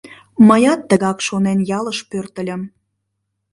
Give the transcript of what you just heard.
Мыят тыгак шонен ялыш пӧртыльым.